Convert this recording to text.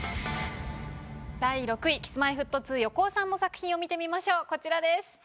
第６位Ｋｉｓ−Ｍｙ−Ｆｔ２・横尾さんの作品を見てみましょうこちらです。